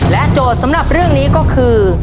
โจทย์สำหรับเรื่องนี้ก็คือ